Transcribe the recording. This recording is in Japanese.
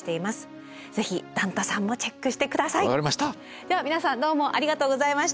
では皆さんどうもありがとうございました。